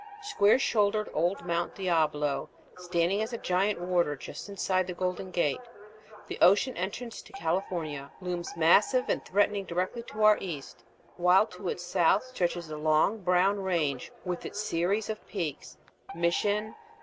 Square shouldered old Mt. Diablo standing as giant warder just inside the Golden Gate, the ocean entrance to California, looms massive and threatening directly to our east, while to its south stretches the long brown range with its series of peaks, Mission, Mt.